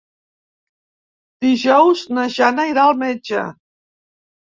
Dijous na Jana irà al metge.